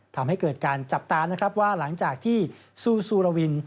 ทำให้เกิดการจับตานะครับว่าหลังจากที่ซูซูรวิน